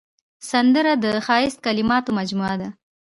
سندره د ښایسته کلماتو مجموعه ده